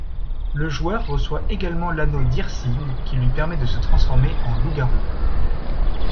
Le joueur reçoit également l'anneau d'Hircine, qui lui permet de se transformer en loup-garou.